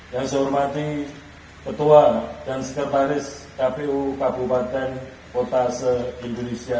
yang saya hormati ketua dan sekretaris kpu kabupaten kota se indonesia